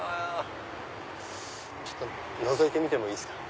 のぞいてみてもいいですか？